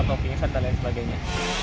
kita lihat bagaimana